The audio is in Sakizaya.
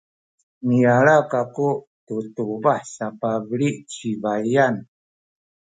miyala kaku tu tubah sapabeli ci baiyan.